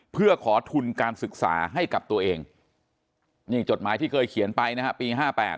เพื่อขอทุนการศึกษาให้กับตัวเองนี่จดหมายที่เคยเขียนไปนะฮะปี๕๘